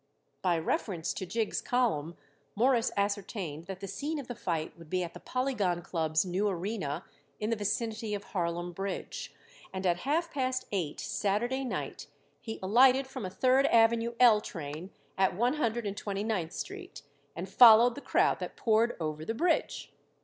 By reference to Jig's column Morris ascertained that the scene of the fight would be at the Polygon Club's new arena in the vicinity of Harlem Bridge, and at half past eight Saturday night he alighted from a Third Avenue L train at One Hundred and Twenty ninth Street and followed the crowd that poured over the bridge.